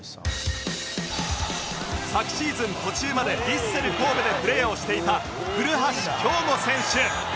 昨シーズン途中までヴィッセル神戸でプレーをしていた古橋亨梧選手